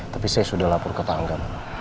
tapi saya sudah lapor ke tangga